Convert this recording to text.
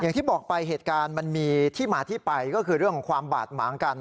อย่างที่บอกไปเหตุการณ์มันมีที่มาที่ไปก็คือเรื่องของความบาดหมางกัน